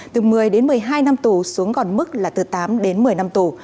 từ một mươi đến một mươi hai năm tù xuống còn mức là từ tám đến một mươi năm tù